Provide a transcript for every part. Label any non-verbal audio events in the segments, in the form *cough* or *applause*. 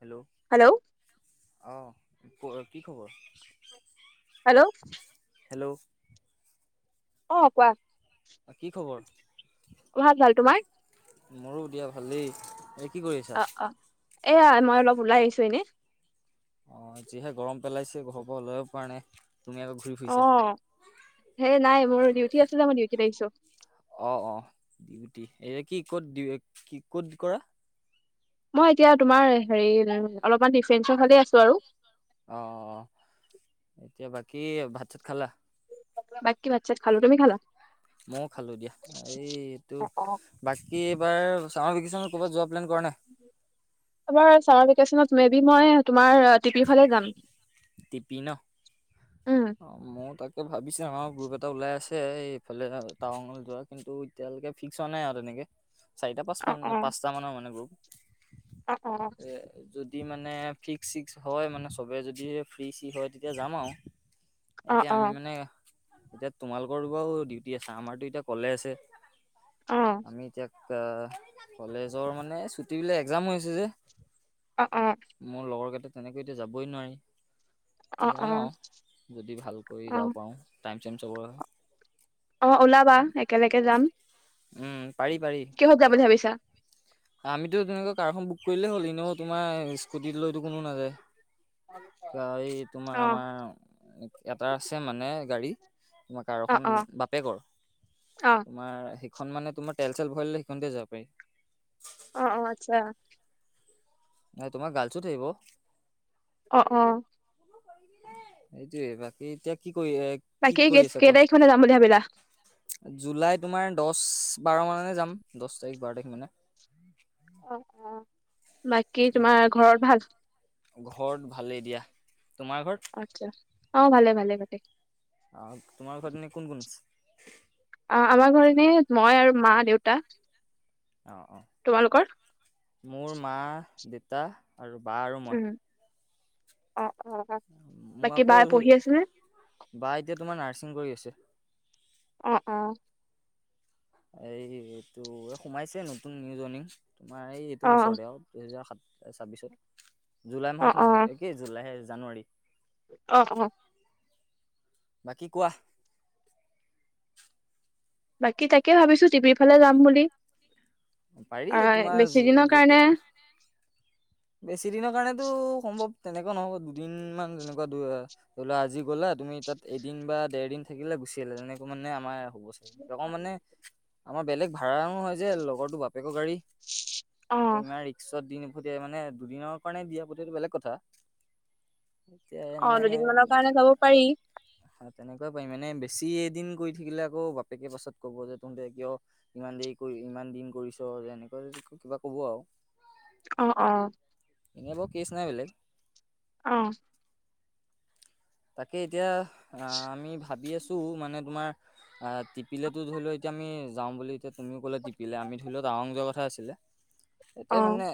Hello hello অ কি খবৰ? হেল্ল' হেল্ল' অ কোৱা। অ কি খবৰ, ভাল ভাল তোমাৰ মোৰো দিয়া ভালেই। কি কৰি আছা অ অ এয়া মই অলপ ওলাই আহিছো এনে। অ যিহে গৰম পেলাইছে ঘৰৰ পৰা ওলাব পৰা নাই তুমি আক অ সেই নাই মোৰ ডিউটি আছিলে মই ডিউটিত আহিছো। অ অ ডিউটি এয়া কি ক'ত দি কি ক'ত কৰা? মই এতিয়া তোমাৰ হেৰি অলপমান ডিফেন্সৰ ফালে আছো আৰু। অ অ অ এতিয়া বাকী ভাত চাত খালা? বাকী ভাত চাত খালো, তুমি খালা? ময়ো খালো দিয়া, এই এইটো- অ অ বাকী এইবাৰ ছামাৰ ভেকেশ্যনত ক'ৰবাত যোৱা প্লেন কৰা নাই? এইবাৰ চামাৰ ভিকেশ্যনত মে বি মই তোমাৰ টিপিৰ ফালে যাম। টি পি ন'। উম অ' মই তাকে ভাবিছো আমাৰ গ্ৰুপ এটা ওলাই আছে এই এইফালে টাৱাঙলৈ যোৱা। কিন্তু এতিয়ালৈকে ফিক্স হোৱা নাই আৰু তেনেকে। চাৰিটা পাঁচ অ মান অ পাঁচটা মানৰ মানে অ অ গ্ৰুপ এ যদি মানে ফিক্স চিক্স হয় মানে চবে যদি ফ্ৰী চি হয় তেতিয়া যাম আৰু। অ এতিয়া আমি মানে এতিয়া তোমালোকৰ বাৰু ডিউটি আছে, আমাৰতো এতিয়া কলেজ হে। অ অ আমি এতিয়া আ কলেজৰ মানে ছুটিবিলাক এক্সাম হৈ আছে যে। অ' মোৰ লগৰকেইটা তেনেকৈ এতিয়া যাবই নোৱাৰি। অ' যাম আৰু যদি ভাল কৈ অ অ যাব পাৰো, টাইম চাইম চবৰ ওলাবা একেলগে যাম। উম, পাৰি পাৰি। ক'ত যাম বুলি ভাবিছা? *inaudible* আমিতো তেনেকুৱা কাৰখন বুক কৰিলেই হ'ল এনেও তোমাৰ স্কুটি লৈতো কোনো নাযায়। অ কিয় এই তোমাৰ আমাৰ এটা আছে মানে গাড়ী, তোমাৰ অ অ কাৰখন অ বাপেকৰ। তোমাৰ সেইখন মানে তোমাৰ তেল চেল ভৰালে সেইখনতে যাব পাৰি। অ' আচ্ছা। নাই তোমাৰ গাৰ্লছো থাকিব। অ' সেইটোৱে বাকী এতিয়া কি কৰি কি *unintelligible* কৰি কেই আছে কোৱা? তাৰিখ মানে যাম বুলি ভাবিলা। জুলাই তোমাৰ দশ, বাৰ মানে যাম। দশ তাৰিখ, বাৰ তাৰিখ মানে। অ', বাকী তোমাৰ ঘৰত ভাল? ঘৰত ভালেই দিয়া। তোমাৰ ঘৰত? আচ্ছা, অ' ভালে ভালে ভালে। অ' তোমাৰ ঘৰত এনে কোন কোন আছে? আমাৰ ঘৰত এনেই মই আৰু মা-দেউতা। অ', মোৰ মা, দেউতা আৰু বা আৰু মই। অ' মোৰ বাকী বাই আকৌ পঢ়ি আছেনে? বা এতিয়া তোমাৰ নাৰ্ছিং কৰি আছে। অ' অ' এই এইটো এই সোমাইছে নতুন নিউ জইনিং। তোমাৰ এই অ এইটো বছৰতে আৰু দুহেজাৰ সাত ছাব্বিছত জুলাই অ মাহত অ সোমাই কি জুলাইহে, জানুৱাৰী। অ' অ' বাকী কোৱা? বাকী তাকে ভাবিছো, টিপিৰ ফালে যাম বুলি। পাৰি আহ, তোমাৰ বেছি য- দিনৰ য'তে কাৰণে বেছি দিনৰ কাৰণেতো সম্ভৱ, তেনেকুৱা নহ'ব। দুদিন মান তেনেকুৱা ধৰি লোৱা আজি গ'লা, তুমি তাত এদিন বা দেৰ দিন থাকিলা গুচি আহিলা। তেনেকে মানে আমাৰ তেনেকুৱা মানে আমাৰ বেলেগ ভাড়াও নহয় যে, লগৰটো বাপেকৰ গাড়ী। অ এতিয়া ইমান ৰিক্সত দি নপঠিয়াই মানে দুদিনৰ কাৰণে দি পথিয়াইটো বেলেগ কথা। এতিয়া অ' দুদিন মানৰ কাৰণে যাব পাৰি। হয়। তেনেকুৱা পাই মানে বেছি এদিন কৰি থাকিলে আকৌ বাপেকে পাছত কব যে, তহঁতে কিয় ইমান দেৰি কৰি, ইমান দিন কৰিছ, এনেকুৱা কিবা কব আও। অ', অ'। এনেই বাও কেছ নাই বেলেগ। অ'। তাকে এতিয়া আ, আমি ভাবি আছো মানে তোমাৰ আ' টিপিলেতো ধৰি লওঁ, এতিয়া আমি যাওঁ বুলি এতিয়া তুমিও ক'লে টিপিলে। আমি ধৰি লোৱা টাৱাং যোৱা কথা আছিলে। অ এতিয়া মানে।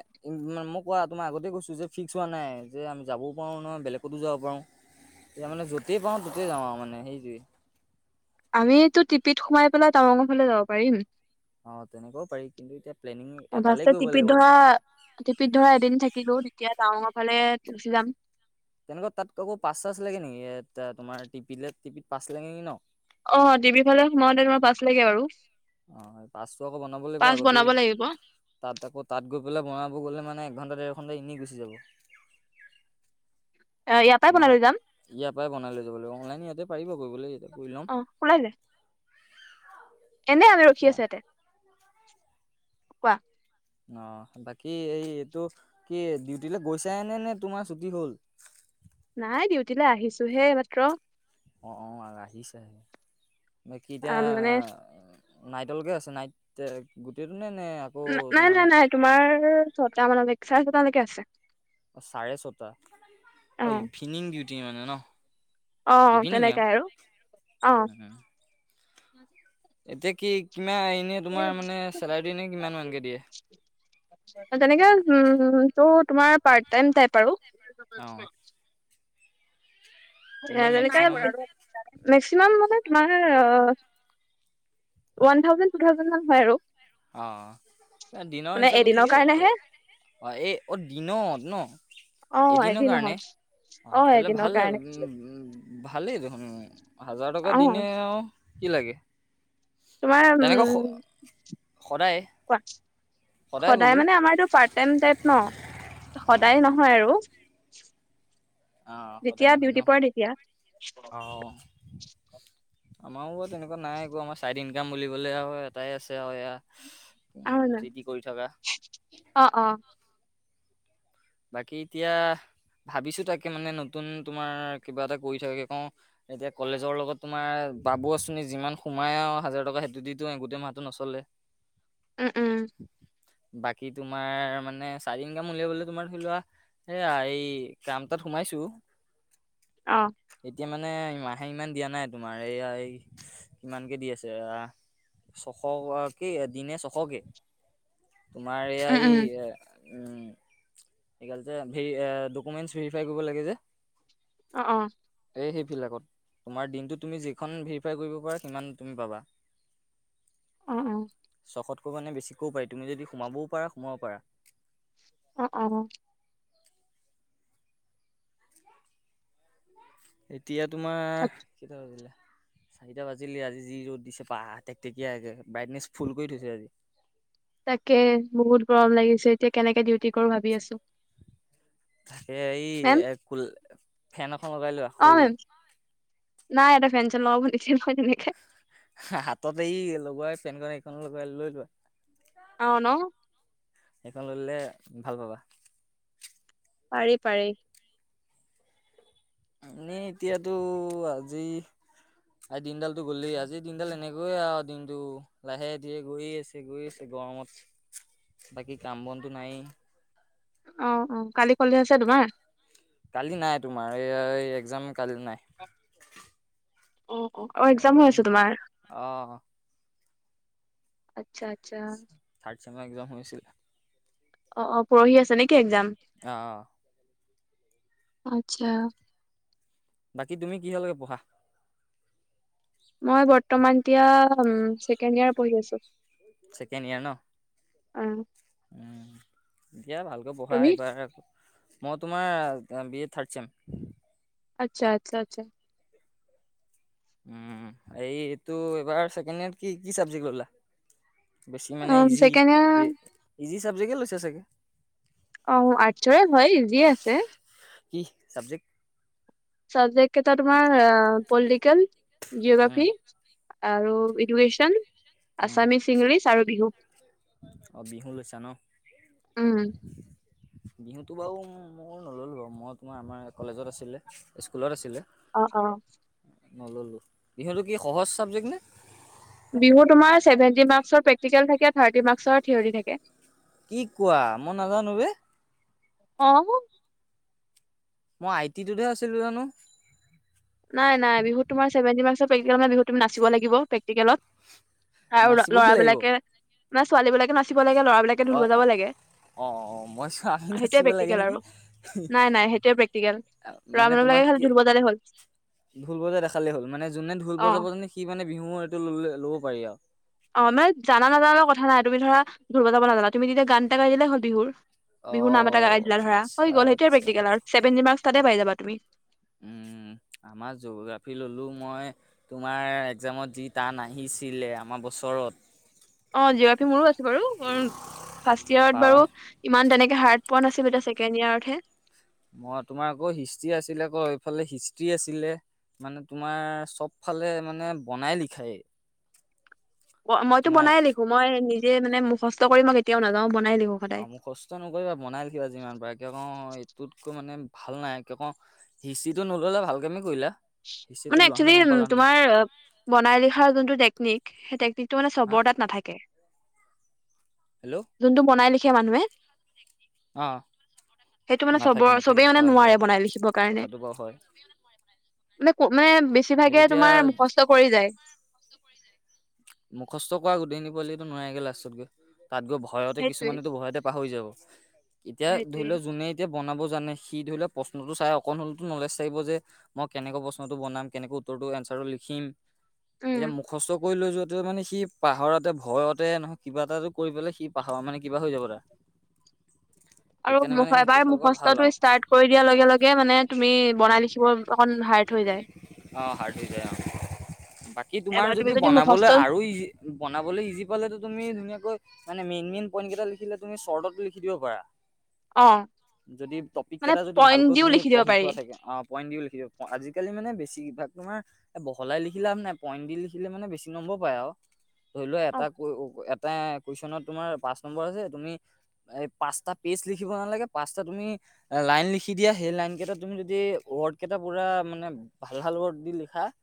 মা মই কোৱা, তোমাৰ আগতে কৈছো যে ফিক্স হোৱা নাই, যে আমি যাবও পাৰো ন বেলেগকতো যাব পাৰো। এতিয়া মানে যতেই পাওঁ, ততেই যাওঁ আৰু মানে সেইটোৱে। আমিতো টিপিত সোমাই পেলাই, টাৱাংৰ ফালে যাব পাৰিম। অ, তেনেকুৱাও পাৰি। কিন্তু এতিয়া প্লেনিং অ, এটালে তাৰপিছত কৰিব টিপিত লাগিব ধৰা, টিপিত ধৰা এদিন থাকিলো। তেতিয়া টাৱাঙৰফালে গুচি যাম। তেনেকুৱা তাত আকৌ পাছ চাছ লাগে নেকি? তোমাৰ টিপিলে, টিপিত পাছ লাগে নেকি ন? অ, টিপি ফালে সোমাওঁতে তোমাৰ পাছ লাগে আৰু। অ, পাছটো আকৌ বনাব লাগিব আগতেই। বনাব লাগিব তাত আকৌ, তাত গৈ পেলাই বনাব গ'লে মানে এঘণ্টা, ডেৰ ঘণ্টা এনেই গুচি যাব। ইয়াৰ পাই তোমাৰ বনাই লৈ যাম। ইয়াৰ পাই বনাই লৈ যাব লাগিব। অনলাইন ইয়াতে পাৰিবা কৰিবলে, ইয়াতে কৰি লম। অ ওলাইলে *unintelligible* এনে, আমি ৰখি তেতিয়া আছো ইয়াতে। কোৱা? অ, বাকী এই এইটো কি ডিউটিলে গৈছাইনে, নে তোমাৰ ছুটি হ'ল? নাই, ডিউটিলে আহিছোহে এই মাত্ৰ। অ', অ', আহিছেহে। বাকী এতিয়া অ', মানে নাইটলেকে আছে, নাইট, গোটেইটো নে? নে আকৌ নাই, তোমাৰ নাই, নাই, তোমাৰ ছটা মানলে, চাৰে ছটালেকে আছে। চাৰে ছটা, অ' ইভিনিং ডিউটি মানে ন? অ ইভিনিংয়ে তেনেকাই আৰু অ আও। এতিয়া কি, কিমা এনে তোমাৰ মানে চেলাৰিটো এনে কিমান মানকে দিয়ে? তেনেকে উম', তোৰ তোমাৰ পাৰ্টটাইম টাইপ আৰু। অ', এনেই যেনেকে, মেক্সিমাম মেক্সিমাম মানে তোমাৰ ওৱান থাউজেণ্ড, টু থাউজেণ্ড মান হয় আৰু। অ', দিনৰ মানে হিচাপত এদিনৰ ঠিকেই। কাৰণেহে অ', এই অ', দিনত ন'? অ', এদিনৰ এদিনত কাৰণে, অ', তেনেহলে এদিনৰ ভালে কাৰণে উম', উম'। ভালেই দেখোন, হাজাৰ টকা অ', দিনে আও কি লাগে। তোমাৰ, তেনেকৈ উম' সদায় কোৱা, সদায় মানে আমাৰটো পাৰ্টটাইপ ন', সদায় নহ আৰু অ', সদায় যেতিয়া নহয় ন ডিউটি পৰে তেতিয়া। অ', *inaudible* আমাৰো বাৰু তেনেকুৱা নাই একো, আমাৰ চাইড ইনকাম বুলিবলে আৰু এটাই আছে আৰু এয়া। যি টি কৰি থকা *unintelligible* অ', অ'। বাকী এতিয়া, ভাবিছো তাকে মানে নতুন তোমাৰ কিবা এটা কৰি থাকে কওঁ। এতিয়া কলেজৰ লগত তোমাৰ বাবু আঁচনি যিমান সোমাই আৰু হাজাৰ টকা সেইটো দিতো গোটেই মাহটো নচলে। *inaudible* উম, উম। বাকী তোমাৰ মানে চাইড ইনকাম উলিয়াবলৈ তোমাৰ ধৰি লোৱা এয়া এই কাম এতাত সোমাইছো। অ'। এতিয়া মানে মাহে ইমান দিয়া নাই তোমাৰ এইয়া এই কিমানকে দি আছে। ছশ কি দিনে ছশকে। তোমাৰ এইয়া উম, উম, ই উম এইগাল যে হেৰি ডকুমেণ্টচ ভেৰিফাই কৰিব লাগে যে। অ', অ'। এই সেইবিলাকত। তোমাৰ দিনটো তুমি জেইখন ভেৰিফাই কৰিব পাৰা সিমান তুমি পাবা। অ', ছশতকৈ মানে বেছিকৈও পাৰি তুমি যদি সোমাবও পাৰা সোমাব পাৰা। অ', অ'। এতিয়া তোমাৰ কেইটা বাজিলে? চাৰিটা বাজিলেই আজি, যি ৰ'দ দিছে বা টেকটেকীয়াকে ব্ৰাইটনেচ ফুল কৰি থৈছে আজি। তাকে বহুত গৰম লাগিছে এতিয়া কেনেকে ডিউটি কৰো ভাবি আছো। তাকে এই মেম এ ক ফেন এখন লগাই লোৱা অ', সৰু। মেম নাই ইয়াতে ফেন-চেন লগাৱ নিদিয়ে নহয় তেনেকে। হাততে এই লগোৱাই ফেনখন এইখন লগোৱাই লৈ লোৱা। অ', ন'! সেইখন লৈ ল'লে ভাল পাবা। পাৰি পাৰি। এনেই এতিয়াতো আজি আজি দিনডালতো গ'লেই আজি দিনডাল এনেকৈয়ে আৰু দিনটো লাহে ধীৰে গৈয়ে আছে গৈ আছে গৰমত বাকী কাম বনটো নাই। অ', অ', কালি কলেজ আছে তোমাৰ? কালি নাই তোমাৰ এই এক্জাম কালি নাই। অ', অ', অ', এক্সাম হৈ একজাম আছে তোমাৰ আহ আচ্চছা। থাৰ্ড চেমাৰ একযাম হৈ আছিলে। অ', অ', পৰহি আছে নেকি একজাম? অ', অ'। আত্ছা। বাকী তুমি কিহ লৈকে পঢ়া? মই বৰ্তমানৰ এতিয়া ছেকেণ্ড ইয়েৰ পঢ়ি আছো। ছেকেণ্ড ইয়েৰ ন? অ'। উম দিয়া ভালকৈ পঢ়া তুমি এইবাৰ। মই তোমাৰ বি এ থাৰ্ড চেম। আচ্ছা আচ্ছা আচ্চা। উম এ এইটো এইবাৰ ছেকেণ্ড ইয়েৰত কি কি চাবজেক্ট ললা? বেছি অ মানে ইজি ছেকেণ্ড ইয়াৰ ইজি চাবজেক্টে লৈছা চাগে? অ' আৰ্চৰে হয় ইজিয়ে আছে। কি চাবজেক্ট? চাবজেক্ট কেইটা তোমাৰ অ পলিটিকেল, জিওগ্ৰাফী আৰু ইডুকেশ্যন আছামিছ, ইংলিছ আৰু বিহু। অঁ বিহু লৈছা ন উম। *inaudible* বিহুটো বাৰু মই নল'লো বাৰু মই তোমাৰ আমাৰ কলেজত আছিলে স্কুলত আছিলে। অ' অ'। নল'লো বিহুতো কি সহজ চাবজেক্ট নে? বিহু তোমাৰ চেভেন্টি মাৰ্ক্চৰ প্ৰেকটিকেল থাকে থাৰ্টি মাৰ্ক্চৰ থিয়ৰী থাকে। কি কোৱা মই নাজানো বে। অ'। মই আই টি টোতহে আছেল বুলি জানো নাই নাই বিহু তোমাৰ চেভেন্টি মাৰ্কৰ প্ৰেক্টিকেল মানে বিহু তুমি নাচিবা লাগিব প্ৰেকটিকেলত আৰু নাচিবও লাগিব লৰাবিলাকে মানে ছোৱালী বিলাকে নাচিব লাগে লৰা বিলাকে অ ঢোল বজাব লাগে। অ অ মই *unintelligible* আমি সেইটোৱে নাচিব লাগে প্ৰেক্টিকেল নেকি? আৰু নাই নাই সেইটোৱে প্ৰেক্টিকেল ল'ৰা মানে মানুহ তোমাক বিলাকে খালি কি? ঢোল বজালে হ'ল ঢোল বজাই দেখালেই হ'ল মানে যোনে ঢোল অ বজাব জানে সি মানে বিহু এইটো ললে ল'ব পাৰি আৰু। অ' মানে জান নাজানা লগত কথা নাই তুমি ধৰা ঢোল বজাব নাজানা তুমি তেতিয়া গান এটা গাই দিলে হ'ল বিহুৰ। অ বিহুৰ নাম এটা গাই দিলা ধৰা হৈ আচ্ছা গ'ল সেইটোয়ে আচ্ছা প্ৰেক্টিকেল আৰু। চেভেনটি মাৰ্কচ তাতে পাই যাবা তোমি। উম আমাৰ জঅ'গ্ৰাফী ললো মই। তোমাৰ একজামত যি টান আহিছিলে আমাৰ বছৰত। অ জিঅ'গ্ৰাফি মোৰো আছে বাৰু উম ফাষ্ট ইয়েৰত বাৰু ইমান তেনেকে হাৰ্ট পোৱা নাছিলো এতিয়া ছেকেণ্ড ইয়েৰত হে মই তোমাৰ আকৌ হিষ্ট্ৰি আছিলে আকৌ এইফালে হিষ্ট্ৰি আছিলে। মানে তোমাৰ চব ফালে মানে বনাই লিখায়ে। অ' মইতো তোমাৰ বনাই লিখো মই নিজে মানে মুখস্থ কৰি মই কেতিয়াও নাযাও বনাই লিখো। সদায় অ' মোখষ্ট নকৰিবা বনাই লিখিবা যিমান পাৰে কিয়নো এইটোতকৈ মানে ভাল নাই কিয় কও হিষ্ট্ৰীটো নল'লা ভাল কামেই কৰিলা। হিষ্ট্ৰীটো মানে লোৱাহেঁতেন গম একচোৱেলি পালাহেঁতেন তোমাৰ বনাই লিখাৰ যোনটো টেকনিক সেই টেকনিকটো মানে হা চবৰ তাত নাথাকে। হেল্ল'। যোনটো বনাই লিখে মানুহে অ'। সেইটো মানে নাথাকে চবৰ নাথাকে চবেই মানে হয় নোৱাৰে হয় বনাই লিখিবৰ কাৰণে কথাটো বাৰু হয়। কোনোৱে সেইটো বেছিভাগে এতিয়া তোমাৰ মুখস্হ কৰি যায়। মুখস্থ কৰা গোতেইখিনি পোৱালিতটো নোৱাৰেগে লাষ্টত গৈ তাত গৈ ভয়তে সেইটোৱে কিছুমানটো ভয়তে পাহৰি যাব। এতিয়া ধৰি সেইটোৱে লও যোনেই এতিয়া বনাব জানে সি ধৰি লৱা প্ৰশ্নটো চাই অকণ হ'লেতো নলেজ থাকিব যে মই কেনেকৈ প্ৰশ্নটো বনাম কেনেকে উত্তৰটো এনচাৰটো লিখিম এতিয়া মুখস্থ কৰি লৈ যোৱা সটো মানে সি পাহৰাতে ভয়তে নহয় কিবা এটাটো কৰি পেলাই সি পাহৰা মানে কিবা হৈ যাব তা *inaudible* আৰু সেইটো এবাৰ ফালৰ পৰা ভাল মুখস্থতটো আৰু ষ্টাৰ্ট কৰি দিয়াৰ লগে লগে মানে তুমি বনাই লিখিব অকন হাৰ্ট হৈ যায় অ হাৰ্ট হৈ যায় অ বাকী এবাৰ তোমাৰ তুমি যদি মুখস্থ বনাবলৈ আৰু আৰু ইজি বনাবলৈ ইজি পালেতো তুমি ধুনীয়াকৈ মানে মেইন, মেইন পইণ্ট কেইটা লিখিলে তুমি শৰ্টতো লিখি দিব পাৰা। অ যদি টপিক মানে কেইটা যদি পইণ্ট ভালকৈ দিও তুমি লিখি দিব পঢ়ি পাৰি থোৱা চাগে *unintelligible* পইণ্ট দি লিখিব, আজাকালি মানে বেছি ভাগ তোমাৰ বহলাই লিখি লাভ নাই পইণ্ট দি লিখিলে মানে বেছি নম্বৰ পাই আৰু, ধৰি লোৱা অ এটা এটা কুৱেশ্যনত তোমাৰ পাঁচ নম্বৰ আছে তুমি এই পাঁচটা পেষ্ট লিখিব নালাগে, পাঁচটা তুমি লাইন লিখি দিয়া, সেই লাইন কেইটা তুমি যদি ৱৰ্ড কেইটা পুৰা মানে ভাল ভাল ৱৰ্ড দি লিখা *inaudible*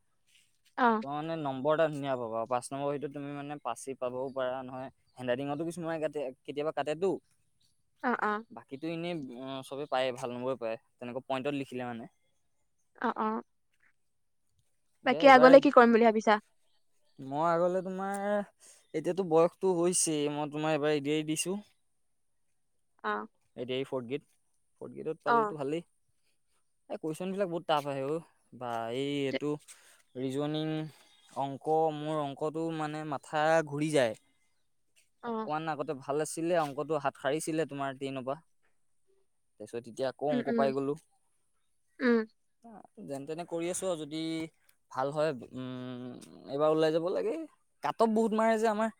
অ'। মানে নম্বৰ এটা ধুনীয়া পাবা, পাঁচ নম্বৰ ভিতৰত তুমি মানে পাচে পাবাও পাৰা নহয় হেণ্ড ৰাইটিঙতো কিছুমানে কাটে, কেতিয়াবা কাটেটো। অ', অ'। বাকীতো এনেই চবেই পায়েই ভাল নম্বৰে পায়, তেনেকুৱা পইণ্টত লিখিলে মানে। অ', অ'। দে বাকী এইবাৰ, আগলে কি কৰিম বুলি ভাবিছা মই *unintelligible* তোমাৰ এতিয়াতো বয়সতটো হৈছেই, মই তোমাৰ এবাৰ এডিয়াৰি দিছো। অ'। এতিয়া এই ফৰ্ড গ্যেড, ফৰ্থ গ্যেডত অ পালেটো ভালেই। এই কুৱেশ্যন বিলাক বহুত টাফ আহে অ' বা এই এইটো ৰিজনিং অংক মোৰ অংকটো মানে মাথা ঘুৰি যায়, অ অকমান আগতে ভাল ভাল আছিলে অংকটো হাত সাৰিছিলে তোমাৰ ট্ৰইনৰ পৰা, তাৰপিছত এতিয়া *unintelligible* উম অংক উম পাই গলো, উম যেন তেনে কৰি আছো আৰু যদি বাকি ভাল হয়, উম এইবাৰ ওলাই যাব লাগে, কাতফ বহুত মাৰে যে আমাৰ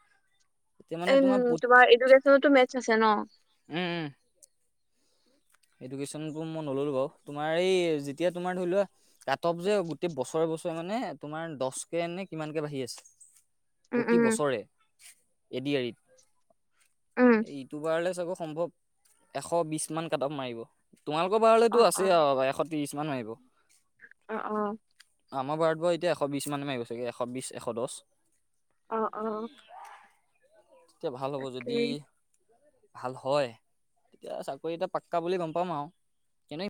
এতিয়া মানে উম তোমাৰ এডুকেশনতো মেথছ আছে নহ? উম, উম। এডুকেশ্যনতো মই নললো বাৰু, তুমাৰ এই যেতিয়া তোমাৰ ধৰি লোৱা কাট অফ যে গোটেই বছৰে বছৰে মানে তোমাৰ দছ *unintelligible* নে কিমানকে বাঢ়ি আছে উম প্ৰতি উম বছৰে। এডিয়াৰী‌ত, উম এই এইটো বাৰলে *unintelligible* চাগে সম্ভৱ এশ বিশ মান *unintelligible* মাৰিব, তোমালোকৰ অ বাৰলেতো অ আছে আৰু এশ ত্ৰিশ মান মাৰিব। অ', অ'। আমাৰ বাৰত *unintelligible* এতিয়া এশ বিশ মান মাৰিগৈ ছাগে, এশ বিশ, এশ দছ। অ', অ', অ'। তেতিয়া ভাল হ'ব যদি তাকেই ভাল হয়, তেতিয়া চাকৰি এটা পাক্কা বুলি গম পাম আৰু, এনেই